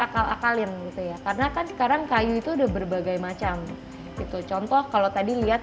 akal akalin gitu ya karena kan sekarang kayu itu udah berbagai macam itu contoh kalau tadi lihat